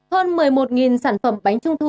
hơn một mươi một sản phẩm bánh trung thu